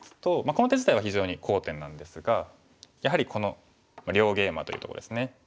この手自体は非常に好点なんですがやはりこの両ゲイマというとこですね。